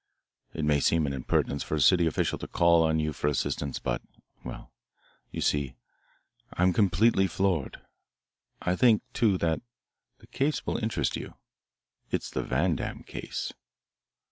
It may seem an impertinence for a city official to call on you for assistance, but well, you see, I'm completely floored. I think, too, that the case will interest you. It's the Vandam case."